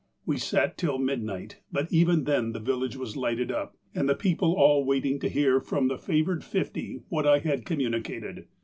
We sat till midnight, but even then the village was lighted up, and the people all waiting to hear from the favoured fifty what I had communicated.